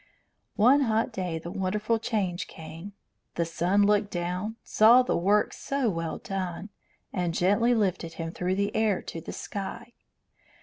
One hot day the wonderful change came. The sun looked down, saw the work so well done, and gently lifted him through the air to the sky.